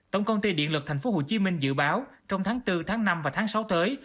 tổng công ty điện lực tp hcm dự báo trong tháng bốn tháng năm và tháng sáu tới